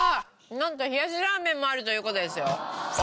なんと冷やしラーメンもあるという事ですよ。